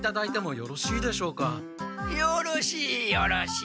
よろしいよろしい！